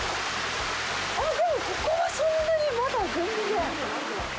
あっ、でも、ここはそんなに、まだ全然。